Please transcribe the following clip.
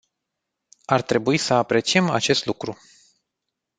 Ar trebui să apreciem acest lucru.